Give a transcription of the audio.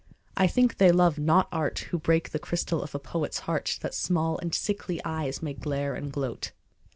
I think they love not art Who break the crystal of a poet's heart That small and sickly eyes may glare and gloat.